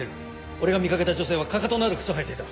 俺が見掛けた女性はかかとのある靴を履いていた。